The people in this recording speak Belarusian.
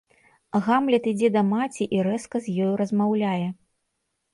Гамлет ідзе да маці і рэзка з ёю размаўляе.